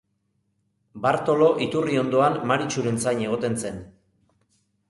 Bartolo iturri ondoan Maritxuren zain egoten zen.